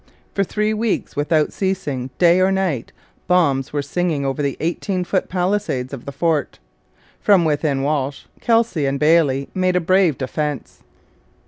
For three weeks, without ceasing day or night, bombs were singing over the eighteen foot palisades of the fort. From within Walsh, Kelsey, and Bailey made a brave defence.